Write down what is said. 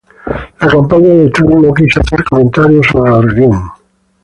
La campaña de Trump no quiso hacer comentarios sobre la reunión.